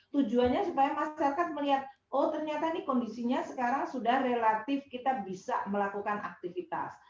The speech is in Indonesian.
tujuannya supaya masyarakat melihat oh ternyata ini kondisinya sekarang sudah relatif kita bisa melakukan aktivitas